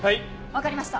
わかりました。